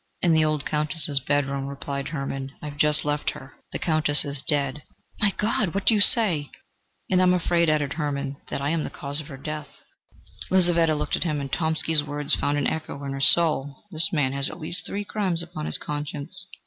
"In the old Countess's bedroom," replied Hermann: "I have just left her. The Countess is dead." "My God! What do you say?" "And I am afraid," added Hermann, "that I am the cause of her death." Lizaveta looked at him, and Tomsky's words found an echo in her soul: "This man has at least three crimes upon his conscience!"